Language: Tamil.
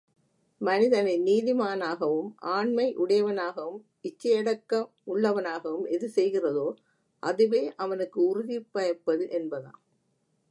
மனிதனை நீதிமானாகவும் ஆண்மையுடையவனாகவும் இச்சையடக்க முள்ளுவனாகவும் எது செய்கிறதோ அதுவே அவனுக்கு உறுதி பயப்பது என்பதாம்.